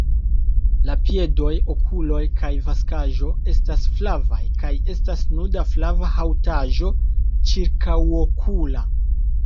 La piedoj, okuloj kaj vaksaĵo estas flavaj kaj estas nuda flava haŭtaĵo ĉirkaŭokula.